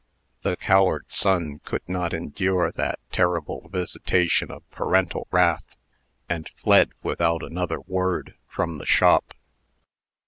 The coward son could not endure that terrible visitation of parental wrath, and fled, without another word, from the shop.